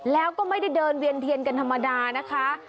แล้วก็ไม่ได้เดินเวียนเทียนกันธรรมดานะคะ